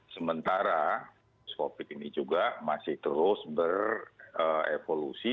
sementara covid ini juga masih terus berevolusi